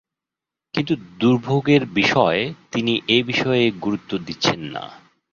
কিন্তু দুর্ভোগের বিষয়, তিনি এ বিষয়ে গুরুত্ব দিচ্ছেন না।